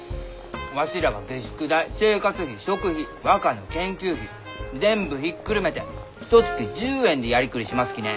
わしらは下宿代生活費食費若の研究費全部ひっくるめてひとつき１０円でやりくりしますきね！